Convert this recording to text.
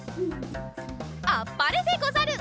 あっぱれでござる。